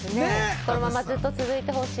このままずっと続いてほしい。